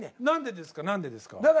何でですか何でですか。